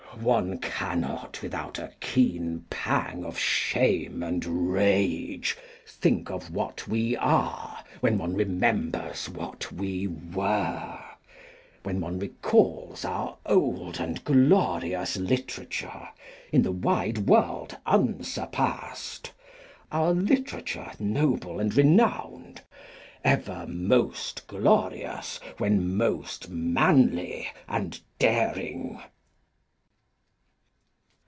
One cannot without a keen pang of shame and rage think of what we are when one remembers what we were, when one recalls our old and glorious literature, in the wide world unsurpassed; our literature noble and renowned, ever most glorious when most manly and daring.